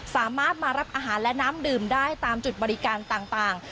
สามารถมารับอาหารและน้ำดื่มได้ตามจุดบริการต่าง